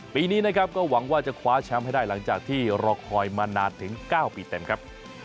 ปีนี้นะครับก็หวังว่าจะคว้าแชมป์ให้ได้หลังจากที่รอคอยมานานถึง๙ปีเต็มครับ